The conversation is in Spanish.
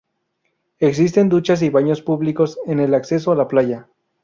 Existen duchas y baños públicos en el acceso a la playa.